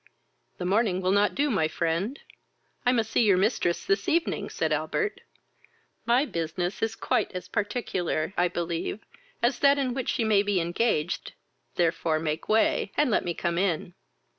"The morning will not do, my friend; I must see your mistress this evening, (said Albert;) my business is quite as particular, I believe, as that in which she may be engaged, therefore make way, and let me come in."